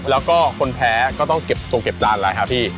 แล้วก็คนแพ้ก็ต้องตรงเก็บจานเลยค่ะพี่